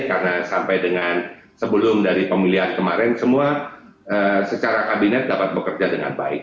karena sampai dengan sebelum dari pemilihan kemarin semua secara kabinet dapat bekerja dengan baik